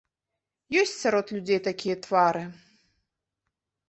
Ёсць сярод людзей такія твары.